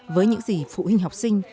với những gì phụ huynh học sinh